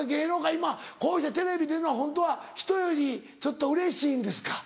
今こうしてテレビ出るのはホントはひとよりちょっとうれしいんですか。